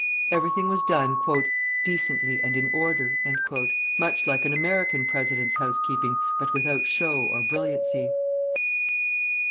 Everything was done "decently and in order," much like an American president's housekeeping, but without show or brilliancy.